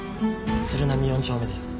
鶴波４丁目です。